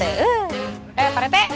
eh pak rt